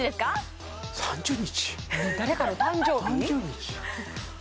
誰かの誕生日？